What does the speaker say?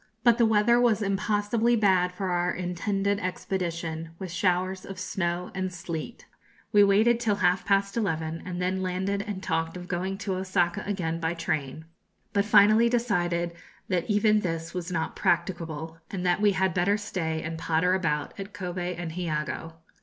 But the weather was impossibly bad for our intended expedition, with showers of snow and sleet. We waited till half past eleven, and then landed and talked of going to Osaka again by train; but finally decided that even this was not practicable, and that we had better stay and potter about at Kobe and Hiogo.